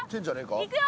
いくよ！